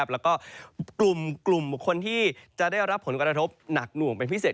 แล้วก็กลุ่มคนที่จะได้รับผลกระทบหนักหน่วงเป็นพิเศษ